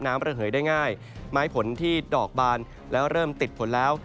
ระเหยได้ง่ายไม้ผลที่ดอกบานแล้วเริ่มติดผลแล้ว